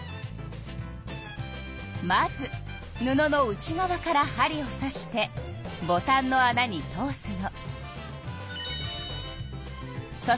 まず布の内側から針をさしてボタンのあなに通すの。